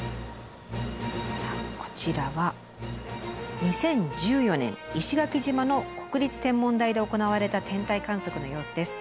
さあこちらは２０１４年石垣島の国立天文台で行われた天体観測の様子です。